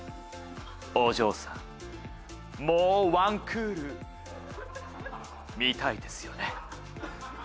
お嬢さんもう１クール見たいですよね？